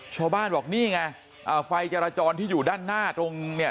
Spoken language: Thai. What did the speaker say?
ชาวบ้านบอกนี่ไงอ่าไฟจราจรที่อยู่ด้านหน้าตรงเนี่ย